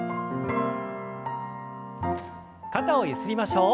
肩をゆすりましょう。